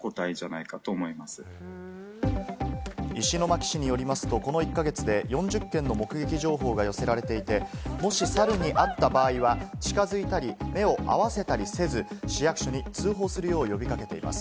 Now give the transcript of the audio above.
石巻市によりますと、この１か月で４０件の目撃情報が寄せられていて、もし猿にあった場合は近づいたり、目を合わせたりせず、市役所に通報するよう呼び掛けています。